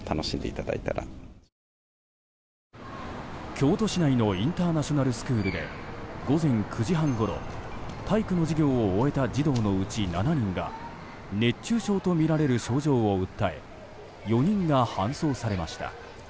京都市内のインターナショナルスクールで午前９時半ごろ体育の授業を終えた児童のうち７人が熱中症とみられる症状を訴え４人が搬送されました。